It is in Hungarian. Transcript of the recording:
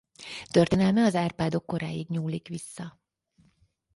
Történelme az Árpádok koráig nyúlik vissza.